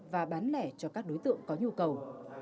và bán lẻ cho các đối tượng có nhu cầu